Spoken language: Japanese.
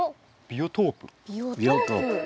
ビオトープ？